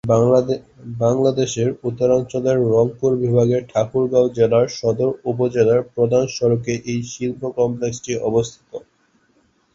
বাংলাদেশের উত্তরাঞ্চলের রংপুর বিভাগের ঠাকুরগাঁও জেলার সদর উপজেলার প্রধান সড়কে এই শিল্প কমপ্লেক্সটি অবস্থিত।